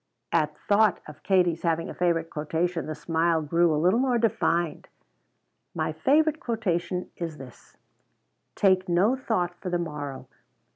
At thought of Katie's having a favorite quotation the smile grew a little more defined. "My favorite quotation is this: 'Take no thought for the morrow.'